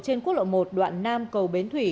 trên quốc lộ một đoạn nam cầu bến thủy